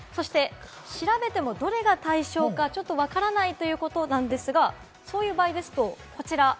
調べてもどれが対象かちょっとわからないということなんですが、そういう場合ですとこちら。